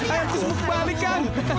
ayamku sembuh kembali kang